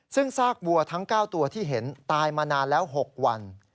ซึ่งซากวัวทั้ง๙ตัวที่เห็นตายมานานแล้ว๖วัน